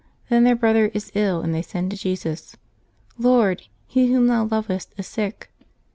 Then, their brother is ill, and they send to Jesus, "Lord, he whom Thou lovest is sick.